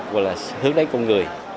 của hướng đánh con người